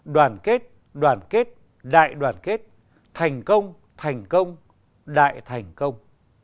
đoàn kết đoàn kết đại đoàn kết thành công thành công đại thành công